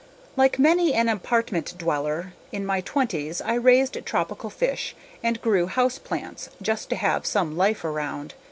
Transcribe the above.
Like many an apartment dweller, in my twenties I raised tropical fish and grew house plants just to have some life around.